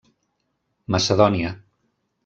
Macedònia.